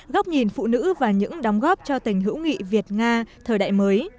góc nhìn phụ nữ và những đóng góp cho tình hữu nghị việt nga thời đại mới